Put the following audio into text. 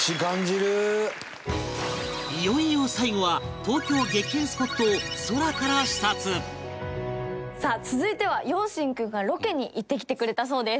いよいよ最後は東京激変スポットを空から視察さあ続いては陽心君がロケに行ってきてくれたそうです。